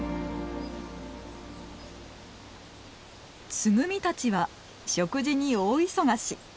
ツグミたちは食事に大忙し。